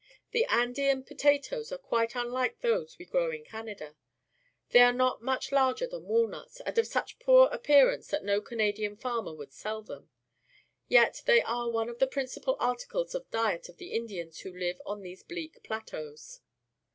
The Andean potatoes are quite imlike those we grow in Canada. Thej' are not much larger than walnuts and of such poor appearance that no Canadian farmer could sell them. Yet they are one of the principal articles of diet of the Indians who ]ive on these bleak plateaus.